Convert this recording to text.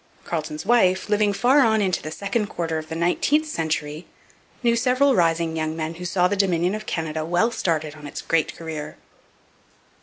Carleton's wife, living far on into the second quarter of the nineteenth century, knew several rising young men who saw the Dominion of Canada well started on its great career.